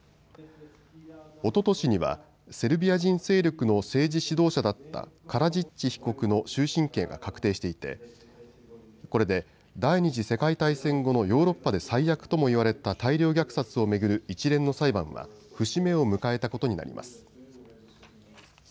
おととしにはセルビア人勢力の政治指導者だったカラジッチ被告の終身刑が確定していてこれで第２次世界大戦後のヨーロッパで最悪とも言われた大量虐殺を巡る一連の裁判は節目を迎えたことになります。